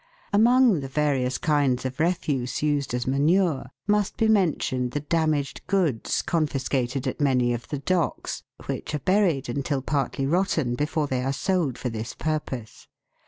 Among the various kinds of refuse used as manure must be mentioned the damaged goods confiscated at many of the docks, which are buried until partly rotten before they are sold for this purpose.